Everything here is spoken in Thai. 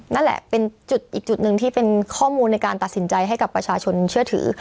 นั่นแหละเป็นจุดอีกจุดหนึ่งที่เป็นข้อมูลในการตัดสินใจให้กับประชาชนเชื่อถือ